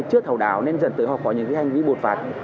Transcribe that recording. trước hậu đảo nên dần tới họ có những hành vi bột phạt